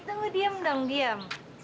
tunggu diam dong diam